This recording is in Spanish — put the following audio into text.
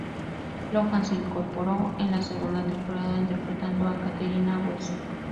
Lohan se incorporó en la segunda temporada interpretando a Katerina West.